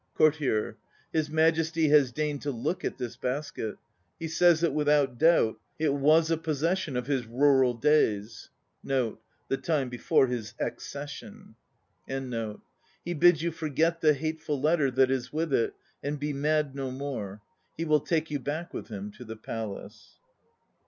COURTIER. His Majesty has deigned to look at this basket. He says that with out doubt it was a possession of his rural days. 1 He bids you forget the hateful letter that is with it and be mad no more. He will take you back with him to the palace.